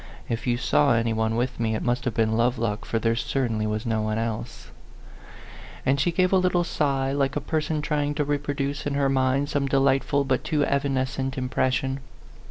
" If you saw any one with me, it must have been Lovelock, for there certainly was no one else," And she gave a little sigh, like a person trying to reproduce in her mind some de lightful but too evanescent impression.